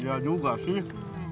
iya juga sih